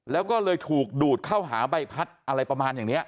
แล้วก็เลยถูกดูดเข้าหาใบพัดอะไรประมาณอย่างนี้